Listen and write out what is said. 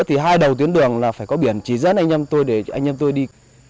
thì hai đầu tuyến đường là phải có biển chỉ dẫn anh em tôi để anh em tôi đi